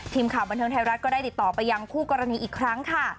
ทีมข่าวบันเทิงไทยรัฐก็ได้ติดต่อไปยังคู่กรณีอีกครั้งค่ะ